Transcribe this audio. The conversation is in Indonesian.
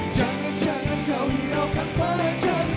jangan jangan kau hinaukan pacarmu